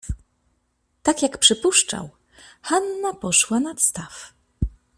Tak jak przypuszczał, Hanna poszła nad staw.